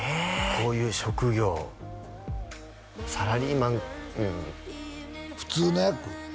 こういう職業サラリーマンうん普通の役？